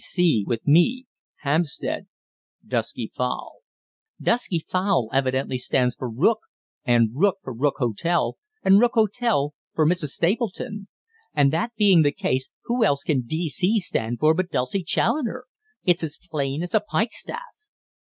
D.C. with me Hampstead. Dusky Fowl_" "'Dusky Fowl' evidently stands for 'rook,' and 'rook' for 'Rook Hotel,' and 'Rook Hotel' for 'Mrs. Stapleton.' And that being the case, who else can 'D.C.' stand for but 'Dulcie Challoner'? It's as plain as a pike staff."